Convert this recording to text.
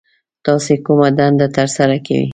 تاسو کومه دنده ترسره کوي